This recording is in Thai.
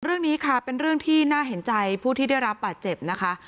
เรื่องนี้ค่ะเป็นเรื่องที่น่าเห็นใจผู้ที่ได้รับบาดเจ็บนะคะ